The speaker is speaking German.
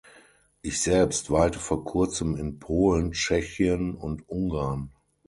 Ich selbst weilte vor kurzem in Polen, Tschechien und Ungarn.